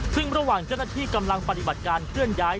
ซึ่งระหว่างเจ้าหน้าที่กำลังปฏิบัติการเคลื่อนย้าย